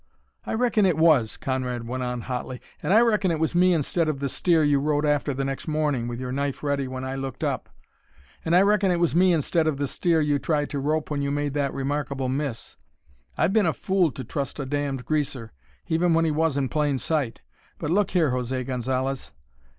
"I reckon it was!" Conrad went on hotly. "And I reckon it was me instead of the steer you rode after the next morning, with your knife ready when I looked up. And I reckon it was me instead of the steer you tried to rope when you made that remarkable miss. I've been a fool to trust a damned greaser, even when he was in plain sight. But look here, José Gonzalez!"